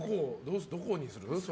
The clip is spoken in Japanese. どこにする？